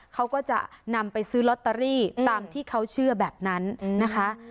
เขาก็จะนำไปซื้อลอตเตอรี่ตามที่เขาเชื่อแบบนั้นนะคะ